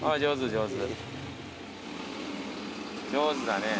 上手だね。